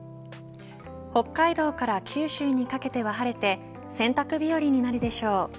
北海道から九州にかけては晴れて洗濯日和になるでしょう。